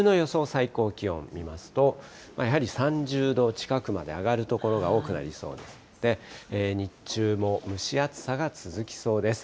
最高気温見ますと、やはり３０度近くまで上がる所が多くなりそうですので、日中も蒸し暑さが続きそうです。